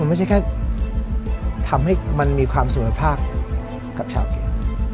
ไม่ใช่แค่ทำให้มันมีความสุขภาพกับชาวจีน